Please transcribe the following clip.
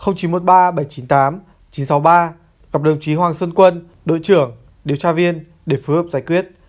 gặp chín trăm một mươi ba bảy trăm chín mươi tám chín trăm sáu mươi ba gặp đồng chí hoàng xuân quân đội trưởng điều tra viên để phối hợp giải quyết